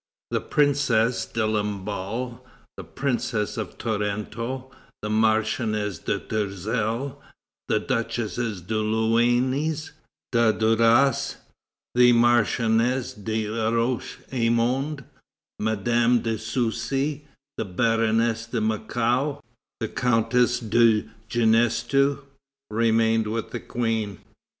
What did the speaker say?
The Princess de Lamballe, the Princess of Tarento, the Marchioness de Tourzel, the Duchesses de Luynes, de Duras, de Maillé, the Marchioness de Laroche Aymon, Madame de Soucy, the Baroness de Mackau, the Countess de Ginestous, remained with the Queen.